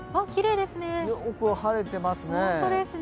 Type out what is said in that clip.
よく晴れてますね。